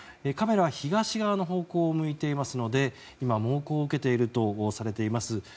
カメラは東側を向いているので今、猛攻を受けているとされています